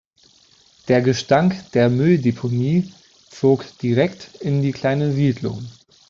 Der Gestank der Mülldeponie zog direkt in die kleine Siedlung.